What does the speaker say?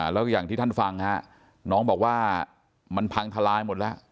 แล้วอย่างที่ท่านฟังฮะน้องบอกว่ามันพังทลายหมดแล้ว